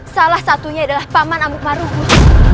salah satunya adalah paman amukmarugus